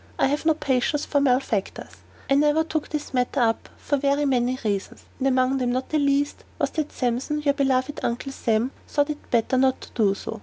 I have no patience with malefactors. I never took this matter up, for very many reasons; and among them not the least was that Sampson, your beloved 'Uncle Sam,' thought it better not to do so.